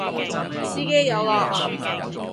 司機有落